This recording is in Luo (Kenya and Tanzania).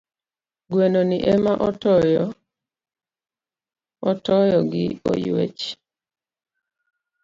Gweno ni ema otoyo gi oyuech.